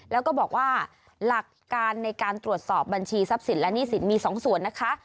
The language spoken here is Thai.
แล้วก็บอกว่าหลักการในการตรวจสอบบัญชีทรัพย์สินและหนี้สินมี๒ส่วนนะคะ